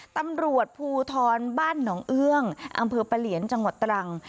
ตำรวจภูทรบ้านหนองเอื้องอำเภอปะเหลียนจังหวัดตรัง